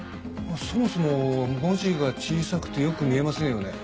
そもそも文字が小さくてよく見えませんよね。